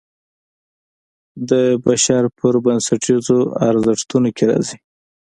د بشر په بنسټیزو ارزښتونو کې راځي.